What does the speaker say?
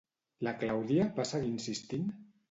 La Clàudia va seguir insistint?